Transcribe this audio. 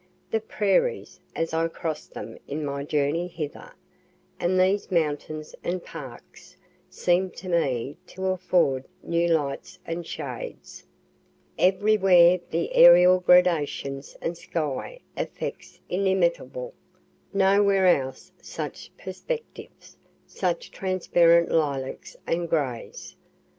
The prairies as I cross'd them in my journey hither and these mountains and parks, seem to me to afford new lights and shades. Everywhere the aerial gradations and sky effects inimitable; nowhere else such perspectives, such transparent lilacs and grays.